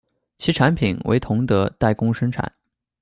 其产品为同德代工生产。